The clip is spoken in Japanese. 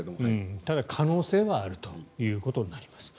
ただ、可能性はあるということになります。